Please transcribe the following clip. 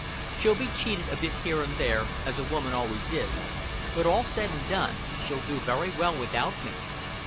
She'll be cheated a bit here and there, as a woman always is but, all said and done, she'll do very well without me.